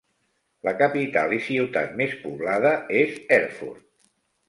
La capital i ciutat més poblada és Erfurt.